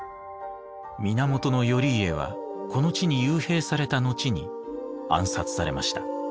源頼家はこの地に幽閉された後に暗殺されました。